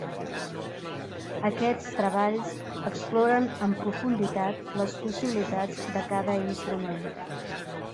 Aquests treballs exploren amb profunditat les possibilitats de cada instrument.